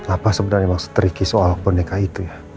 apa sebenarnya maksud tricky soal boneka itu ya